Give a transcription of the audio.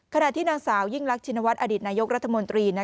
ขณะที่นางสาวยิ่งรักชินวัฒนอดีตนายกรัฐมนตรี